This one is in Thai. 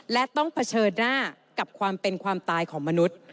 และต้องเผชิญหน้ากับความเป็นความตายของมนุษย์